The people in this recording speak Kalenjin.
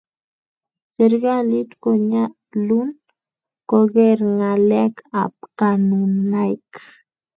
serekalit konyalun koker ngalek ab konunaik